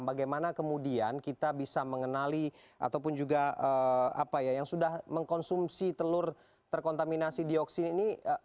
bagaimana kemudian kita bisa mengenali ataupun juga apa ya yang sudah mengkonsumsi telur terkontaminasi dioksin ini